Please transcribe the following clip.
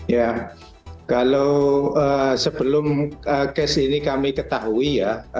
ya kalau sebelum kes ini kami ketahui ya